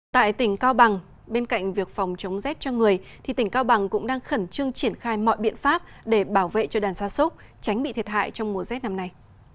tại tỉnh cao bằng bên cạnh việc phòng chống rét cho người thì tỉnh cao bằng cũng đang khẩn trương triển khai mọi biện pháp để bảo vệ cho đàn gia súc tránh bị thiệt hại trong mùa z năm nay